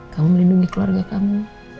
kamu melindungi keluarga kamu